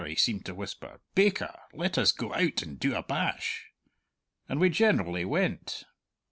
he seemed to whisper, 'Baker! Let us go out and do a bash!' And we generally went."